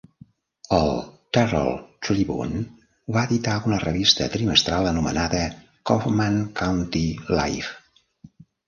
El "Terrell Tribune" va editar una revista trimestral anomenada "Kaufman County Life".